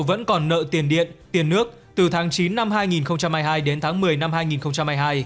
vẫn còn nợ tiền điện tiền nước từ tháng chín năm hai nghìn hai mươi hai đến tháng một mươi năm hai nghìn hai mươi hai